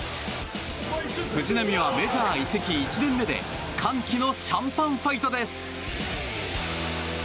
藤浪はメジャー移籍１年目で歓喜のシャンパンファイトです。